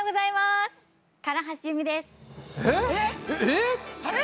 えっ？